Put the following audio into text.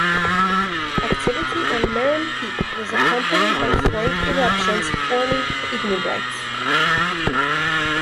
Activity on Merrem Peak was accompanied by flank eruptions forming ignimbrites.